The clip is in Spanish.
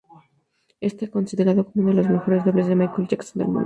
Está considerado como uno de los mejores dobles de Michael Jackson del mundo.